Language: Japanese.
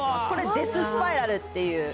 これ、デススパイラルっていう。